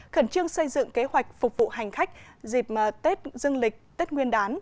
khẩn trương xây dựng kế hoạch phục vụ hành khách dịp tết dương lịch tết nguyên đán